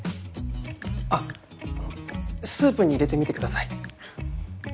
あっスープに入れてみてください。